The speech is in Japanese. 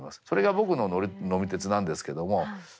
それが僕の呑み鉄なんですけども。